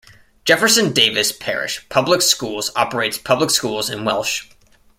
Jefferson Davis Parish Public Schools operates public schools in Welsh.